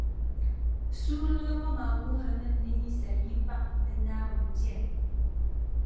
Suurili ŋɔ maa wuhirimi ni ninsala yi baŋ ni Naawuni beni.